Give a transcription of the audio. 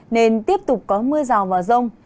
nên tiếp tục có mưa rào vào rông